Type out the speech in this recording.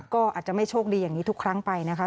ก็อาจจะไม่โชคดีอย่างนี้ทุกครั้งไปนะคะ